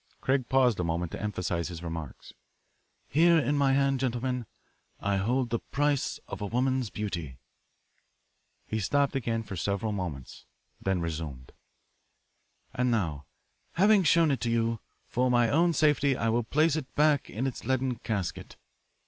Craig paused a moment to emphasise his remarks. "Here in my hand, gentlemen, I hold the price of a woman's beauty." He stopped again for several moments, then resumed. "And now, having shown it to you, for my own safety I will place it back in its leaden casket."